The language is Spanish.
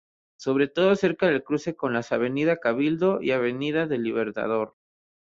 Sobre todo cerca del cruce con las Avenida Cabildo y Avenida del Libertador.